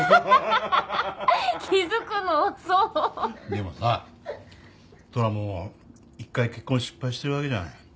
でもさトラも一回結婚失敗してるわけじゃない。